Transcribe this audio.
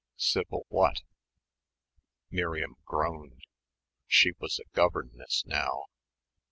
Civil what? Miriam groaned. She was a governess now.